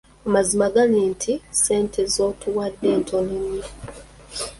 Amazima gali nti ssente z'otuwadde ntono nnyo.